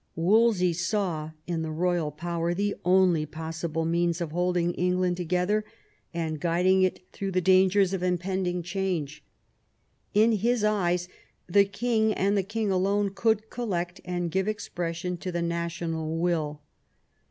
Wolsey saw in the royal power the only possible means of holding England together and guiding it through the dangers of impending change. In his eyes the king and the king alone could collect and give expression to the national will.